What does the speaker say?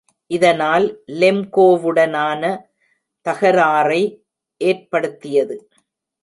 இதனால் லெம்கோவுடனான தகராறை ஏற்படுத்தியது.